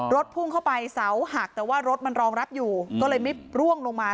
พุ่งเข้าไปเสาหักแต่ว่ารถมันรองรับอยู่ก็เลยไม่ร่วงลงมา